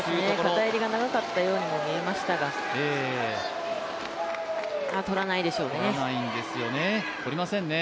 片襟が長かったようにも見えましたがまあ、取らないでしょうね。